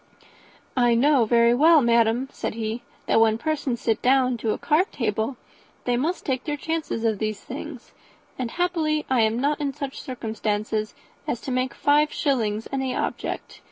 "I know very well, madam," said he, "that when persons sit down to a card table they must take their chance of these things, and happily I am not in such circumstances as to make five shillings any object.